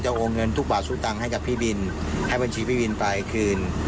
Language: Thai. จะโอนเงินทุกบาทสู้ตังให้กับพี่บินให้บัญชีพี่บินปลายคืน